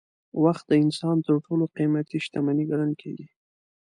وخت د انسان تر ټولو قیمتي شتمني ګڼل کېږي.